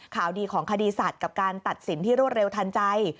ข่าวดีของคดีสัตว์กับการตัดสินที่รวดเร็วทันใจ